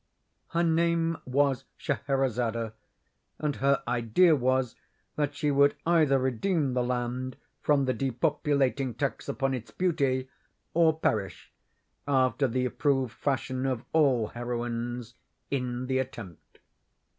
Her name was Scheherazade, and her idea was, that she would either redeem the land from the depopulating tax upon its beauty, or perish, after the approved fashion of all heroines, in the attempt.